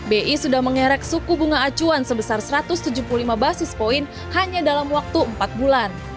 bi sudah mengerek suku bunga acuan sebesar satu ratus tujuh puluh lima basis point hanya dalam waktu empat bulan